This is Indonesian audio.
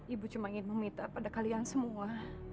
ibu cuma ingin meminta pada kalian semua